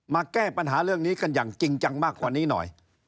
แก้ปัญหาเรื่องนี้กันอย่างจริงจังมากกว่านี้หน่อย